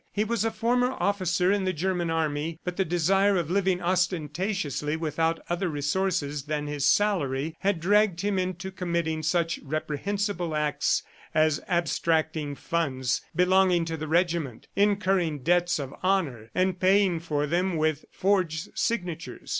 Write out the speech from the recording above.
He was a former officer in the German army, but the desire of living ostentatiously without other resources than his salary, had dragged him into committing such reprehensible acts as abstracting funds belonging to the regiment, incurring debts of honor and paying for them with forged signatures.